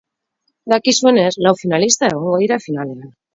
Dakizuenez, lau finalista egongo dira finalean.